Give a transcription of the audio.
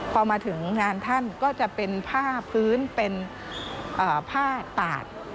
พอมาถึงงานท่านก็จะเป็นผ้าพื้นเป็นผ้าตาด